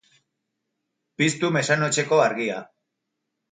Piztu mesanotxeko argia.